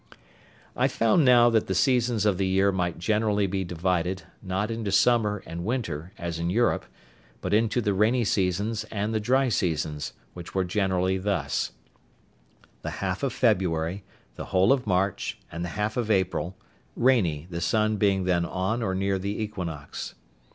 I found now that the seasons of the year might generally be divided, not into summer and winter, as in Europe, but into the rainy seasons and the dry seasons, which were generally thus:—The half of February, the whole of March, and the half of April—rainy, the sun being then on or near the equinox.